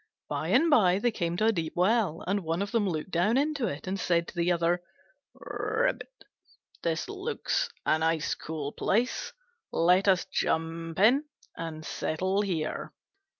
By and by they came to a deep well, and one of them looked down into it, and said to the other, "This looks a nice cool place: let us jump in and settle here."